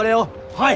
はい！